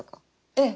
ええ。